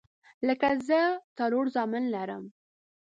لکه زه څلور زامن لرم